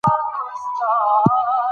موږ باید د خپل خوراک متوازن پلان ولرو